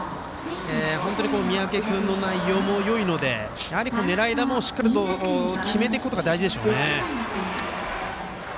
本当に三宅君の内容もよいので狙い球をしっかり決めていくことが大事ですよね。